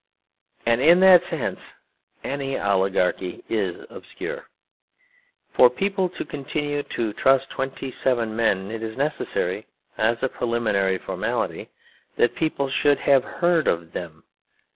And in that sense any oligarchy is obscure. For people to continue to trust twenty seven men it is necessary, as a preliminary formality, that people should have heard of them.